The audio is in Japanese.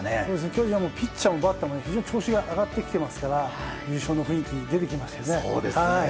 巨人はピッチャーもバッターも非常に調子が上がってきたので優勝の雰囲気が出てきましたよね。